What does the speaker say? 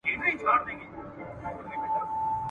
د ناست زمري څخه، ولاړه ګيدړه ښه ده !.